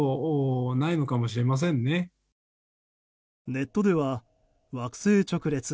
ネットでは「＃惑星直列」